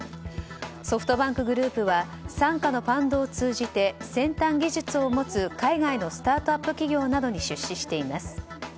ソフトバンクグループは傘下のファンドを通じて先端技術を持つ海外のスタートアップ企業などに出資しています。